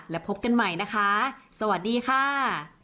และพบกันใหม่นะคะสวัสดีค่ะ